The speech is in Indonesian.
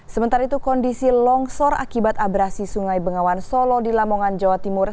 sementara itu kondisi longsor akibat abrasi sungai bengawan solo di lamongan jawa timur